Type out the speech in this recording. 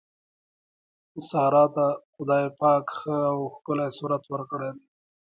سارې ته خدای پاک ښه او ښکلی صورت ورکړی دی.